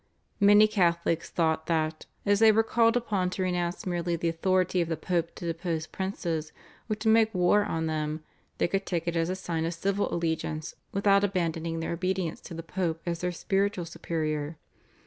Many Catholics thought that, as they were called upon to renounce merely the authority of the Pope to depose princes or to make war on them, they could take it as a sign of civil allegiance without abandoning their obedience to the Pope as their spiritual superior.